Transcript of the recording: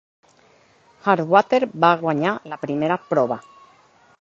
Hard Water va guanyar la primera prova.